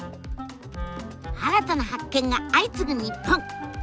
新たな発見が相次ぐ日本。